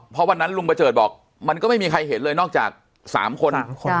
เพราะวันนั้นลุงประเจิดบอกมันก็ไม่มีใครเห็นเลยนอกจาก๓คน